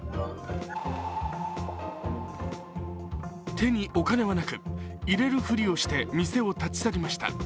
手にお金はなく、入れるふりをして店を立ち去りました。